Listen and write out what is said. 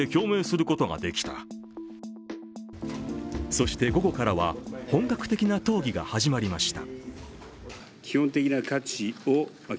そして午後からは本格的な討議が始まりました。